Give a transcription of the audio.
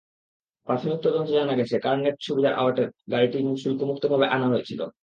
প্রাথমিক তদন্তে জানা গেছে, কার নেট সুবিধার আওতায় গাড়িটি শুল্কমুক্তভাবে আনা হয়েছিল।